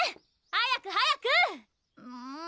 早く早く！